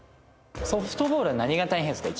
ソフトボールは何が大変ですか？